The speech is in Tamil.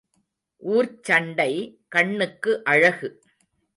ஊர்ச் சண்டை கண்ணுக்கு அழகு.